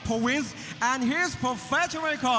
ปานเงินออปิ๊บตี้สัก